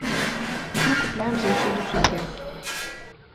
Мы купляем заўсёды цукеркі.